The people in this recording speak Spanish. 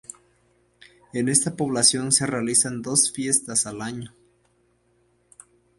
En esta población se realizan dos fiestas al año.